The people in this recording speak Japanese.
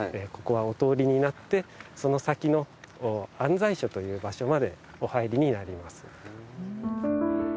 ここはお通りになってその先の行在所という場所までお入りになります。